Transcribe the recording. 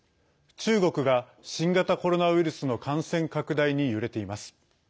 中国が新型コロナウイルスの感染拡大に揺れています。